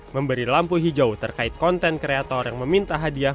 memberi lampu hijau terkait konten kreator yang meminta hadiah